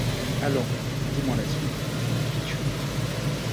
Allons, dis-moi la suite, ma pitchounette !